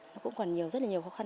nó cũng còn rất nhiều khó khăn